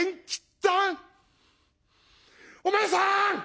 お前さん！